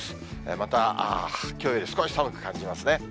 またきょうより少し寒く感じますね。